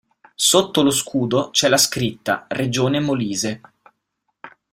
Sotto lo scudo c'è la scritta: "Regione Molise".